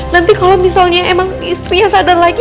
nanti kalau misalnya emang istrinya sadar lagi